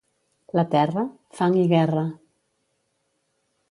La terra?, fang i guerra.